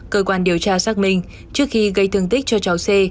cơ quan điều tra xác minh trước khi gây thương tích cho cháu c